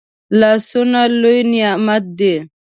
لاسونه لوي نعمت دی